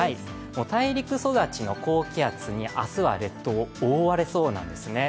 大陸育ちの高気圧に明日は列島、覆われそうなんですね。